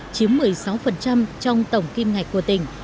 chiếm một mươi sáu trong tổng kim ngạch của tỉnh